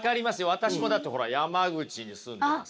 私もだってほら山口に住んでますから。